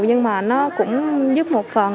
nhưng mà nó cũng giúp một phần